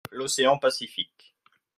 L'Océan Pacifique.